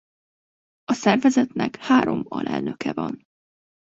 A szervezetnek három alelnöke van.